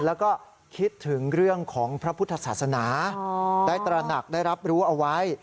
แล้วก็คิดถึงเรื่องของพระพุทธศาสนาได้ตระหนักได้รับรู้เอาไว้